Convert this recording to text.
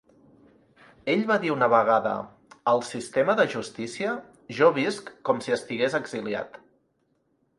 Ell va dir una vegada, Al sistema de justícia, Jo visc com si estigués exiliat.